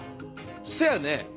せやね。